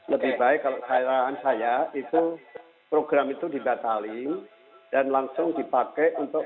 lebih baik kalau kayaan saya itu program itu dibatalin dan langsung dipakai untuk